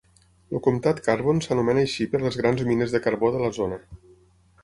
El comtat Carbon s'anomena així per les grans mines de carbó de la zona.